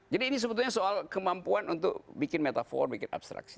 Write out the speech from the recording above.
jadi ini sebetulnya soal kemampuan untuk bikin metafor bikin abstraksi